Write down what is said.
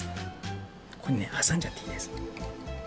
ここにねはさんじゃっていいです。